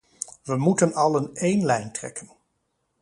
Wij moeten allen één lijn trekken.